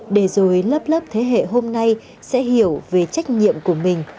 để rồi lớp lớp thế hệ hôm nay sẽ hiểu về trách nhiệm của mình